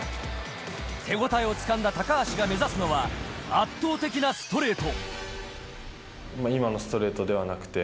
手応えを掴んだ高橋が目指すのは圧倒的なストレート。